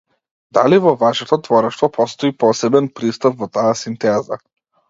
Дали во вашето творештво постои посебен пристап во таа синтеза?